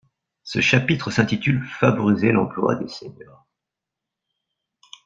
Ce chapitre s’intitule Favoriser l’emploi des seniors.